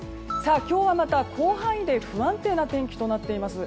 今日はまた広範囲で不安定な天気となっています。